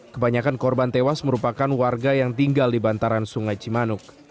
kebanyakan korban tewas merupakan warga yang tinggal di bantaran sungai cimanuk